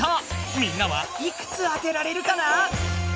みんなはいくつ当てられるかな？